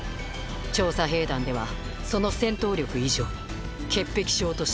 調査兵団ではその戦闘力以上に潔癖症としても有名です